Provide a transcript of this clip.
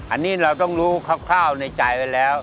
อันนี้เราต้องรู้คร่าวในใจไว้แล้ว